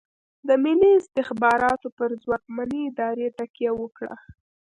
د ملي استخباراتو پر ځواکمنې ادارې تکیه وکړه.